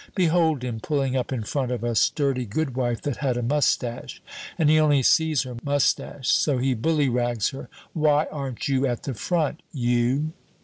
Behold him pulling up in front of a sturdy goodwife that had a mustache, and he only sees her mustache, so he bullyrags her 'Why aren't you at the front, you?'"